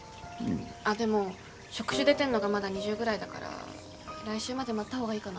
あっでも触手出てんのがまだ２０ぐらいだから来週まで待った方がいいかな。